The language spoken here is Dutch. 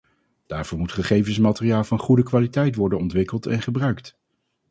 Daarvoor moet gegevensmateriaal van goede kwaliteit worden ontwikkeld en gebruikt.